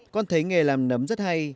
con thấy nghề làm nấm rất hay